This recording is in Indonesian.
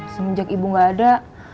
semjak ibu gak ada